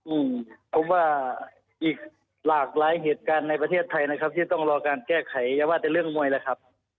อืมผมว่าอีกหลากหลายเหตุการณ์ในประเทศไทยนะครับที่จะต้องรอการแก้ไขอย่าว่าแต่เรื่องมวยเลยครับ